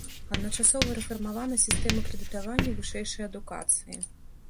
Адначасова рэфармавана сістэма крэдытавання вышэйшай адукацыі.